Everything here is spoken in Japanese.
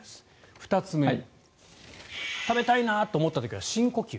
２つ目食べたいなと思った時は深呼吸。